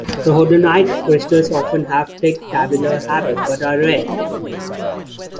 Rhodonite crystals often have a thick tabular habit, but are rare.